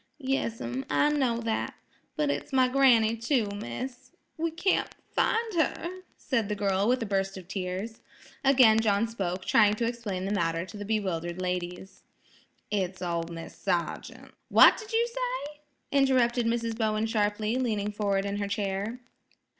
"Yes'm; I know that. But it's my granny, too, miss. We can't find her," said the girl with a burst of tears. Again John spoke, trying to explain the matter to the bewildered ladies. "It's ol' Mis' Sargean'–" "What did you say?" interrupted Mrs. Bowen sharply, leaning forward in her chair.